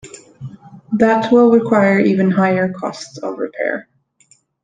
That will require even higher cost of repair.